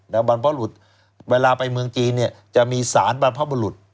แล้วบรรพบรุษเวลาไปเมืองจีนเนี่ยจะมีสารบรรพบุรุษ